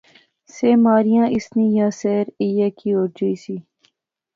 سے ماریاں اس نی یاثیر ایہہ کی ہور جئی سی